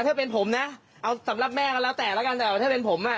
ถ้าเป็นผมนะเอาสำหรับแม่ก็แล้วแต่แล้วกันแต่ถ้าเป็นผมอ่ะ